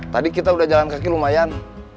tadi kita udah jalan kaki lumayan